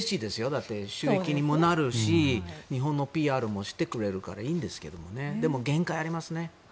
だって、収益にもなるし日本のＰＲもしてくれるからいいんですけどもねでも限界がありますね。